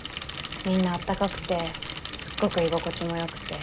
みんなあったかくてすっごく居心地もよくて。